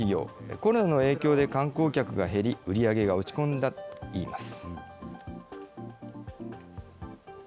コロナの影響で観光客が減り、売り上げが落ち込んだといいます。